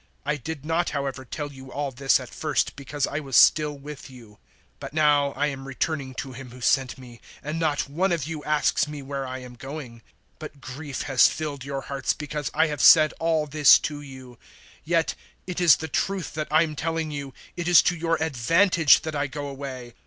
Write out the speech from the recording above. I did not, however, tell you all this at first, because I was still with you. 016:005 But now I an returning to Him who sent me; and not one of you asks me where I am going. 016:006 But grief has filled your hearts because I have said all this to you. 016:007 "Yet it is the truth that I am telling you it is to your advantage that I go away.